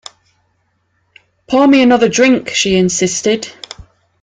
"Pour me another drink," she insisted.